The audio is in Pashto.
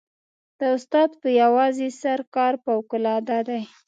د استاد په یوازې سر کار فوقالعاده دی.